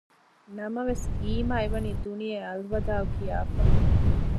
ނަމަވެސް އީމާ އެވަނީ ދުނިޔެއާ އަލްވަދާޢު ކިޔާފަ